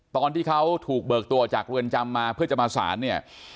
ตอนที่เขาถูกเบิกตัวออกจากเรือนจำมาเพื่อจะมาสารเนี่ย